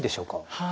はい。